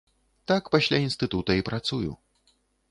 Так пасля інстытута і працую.